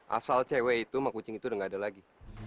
asal cewek itu sama kucing itu udah gak ada lagi